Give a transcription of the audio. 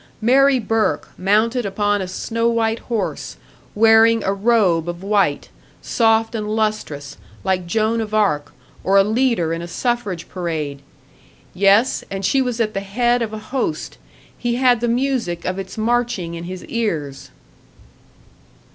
Mary Burke mounted upon a snow white horse, wearing a robe of white, soft and lustrous like Joan of Arc, or a leader in a suffrage parade! Yes, and she was at the head of a host, he had the music of its marching in his ears!